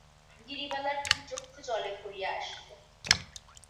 গিরিবালার দুই চক্ষু জলে ভরিয়া আসিল।